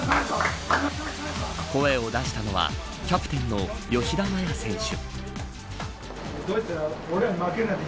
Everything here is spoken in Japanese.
声を出したのはキャプテンの吉田麻也選手。